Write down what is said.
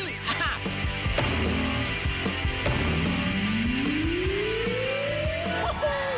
โอ้โห